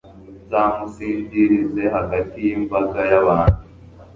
nzamusingirize hagati y'imbaga y'abantu